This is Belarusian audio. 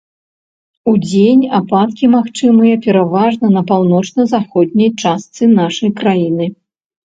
Удзень ападкі магчымыя пераважна на паўночна-заходняй частцы нашай краіны.